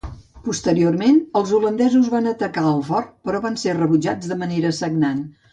Posteriorment, els holandesos van atacar el fort, però van ser rebutjats de manera sagnant.